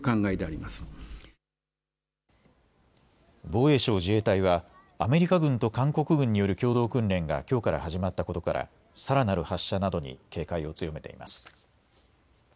防衛省・自衛隊はアメリカ軍と韓国軍による共同訓練がきょうから始まったことからさらなる発射などに警戒を強めています。